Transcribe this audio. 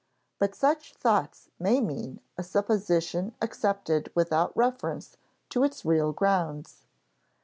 But such thoughts may mean a supposition accepted without reference to its real grounds.